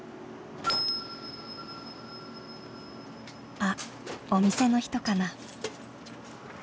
あっお店の人かな？